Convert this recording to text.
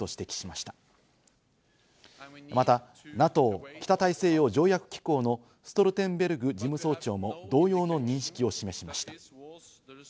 またＮＡＴＯ＝北大西洋条約機構のストルテンベルグ事務総長も同様の認識を示しました。